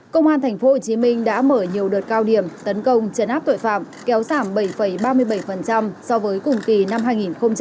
công an tp hcm đã mở nhiều đợt cao điểm tấn công chấn áp tội phạm kéo giảm bảy ba mươi bảy so với cùng kỳ năm hai nghìn một mươi chín